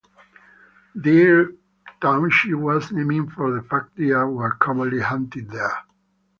Deer Township was named for the fact deer were commonly hunted there.